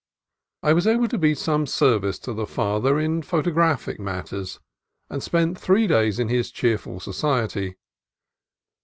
I was able to be of some service to the Father in photographic matters, and spent three days in his cheerful society.